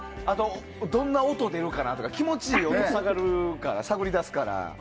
どんな音出るかなとか気持ちいい音を探り出すから。